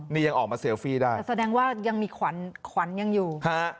นี่ยังออกมาเซลฟี่ได้แสดงว่ายังมีขวัญอยู่